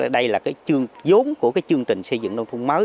đây là cái dốn của cái chương trình xây dựng